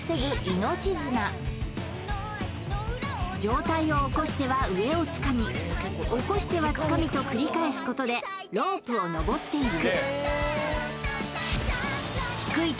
命綱上体を起こしては上をつかみ起こしてはつかみと繰り返すことでロープを登っていくやったー！